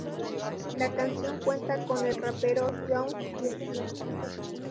La canción cuenta con el rapero Young Jeezy.